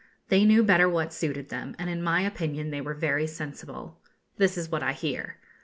They knew better what suited them, and in my opinion they were very sensible. This is what I hear.